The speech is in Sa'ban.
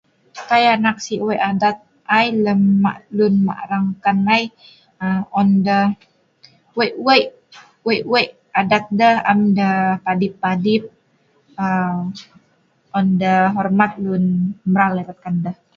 Kai anak sik weik adat ai lem ma' lun ma' rang kan ai, on deh weik2 adat deh, am deh padip-padip, on deh hormat lun mral erat kan deh